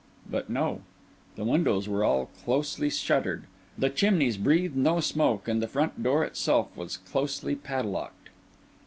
But no: the windows were all closely shuttered, the chimneys breathed no smoke, and the front door itself was closely padlocked.